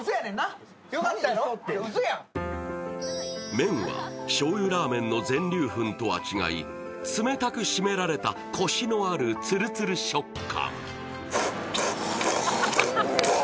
麺は、醤油らぁ麺の全粒粉とは違い、冷たく締められたコシのあるツルツル食感。